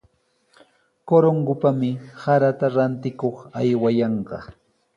Corongopami sarata rantikuq aywayanqa.